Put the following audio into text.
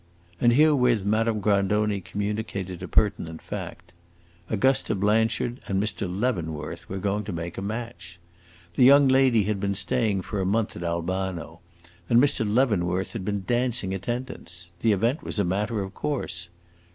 And herewith Madame Grandoni communicated a pertinent fact: Augusta Blanchard and Mr. Leavenworth were going to make a match. The young lady had been staying for a month at Albano, and Mr. Leavenworth had been dancing attendance. The event was a matter of course.